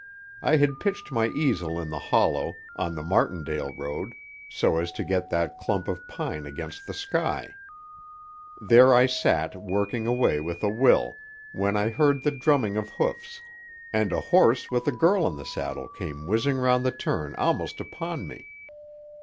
I had pitched my easel in the hollow, on the Martindale Road, so as to get that clump of pine against the sky. There I sat working away with a will, when I heard the drumming of hoofs, and a horse with a girl in the saddle came whizzing round the turn almost upon me.